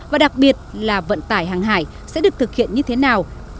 và đặc biệt là vận tải hàng hải sẽ được thực hiện như thế nào